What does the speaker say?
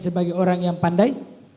sebagai orang yang pandai